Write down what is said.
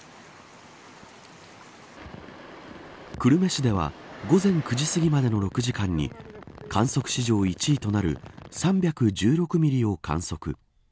久留米市では午前９時すぎまでの６時間に観測史上１位となる３１６ミリを観測。